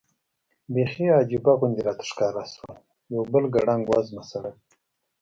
بېخي عجیبه غوندې راته ښکاره شول، یو بل ګړنګ وزمه سړک.